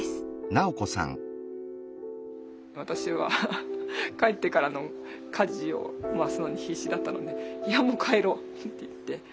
私は帰ってからの家事を回すのに必死だったので「いやもう帰ろう」って言って。